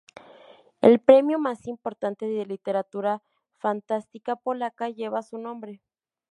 El Premio más importante de Literatura Fantástica Polaca lleva su nombre.